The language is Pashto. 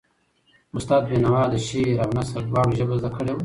استاد بینوا د شعر او نثر دواړو ژبه زده کړې وه.